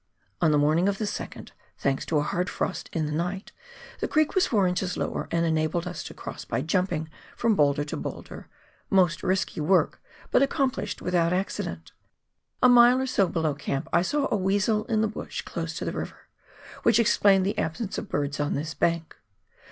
On the morning of the 2nd, thanks to a hard frost in the night, the creek was four inches lower, and enabled us to cross by jumping from boulder to boulder — most risky work, but accomplished without accident. A mile or so below camp I saw a weasel in the bush close to the river, which explained the absence of birds on this bank.